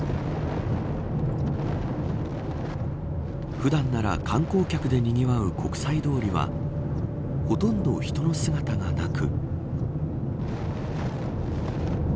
普段なら観光客でにぎわう国際通りはほとんど人の姿はなく。